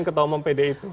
ketua umum pdi